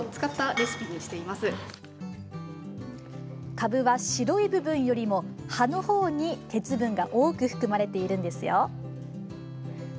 かぶは白い部分よりも葉の方に鉄分が多く含まれているんですよ。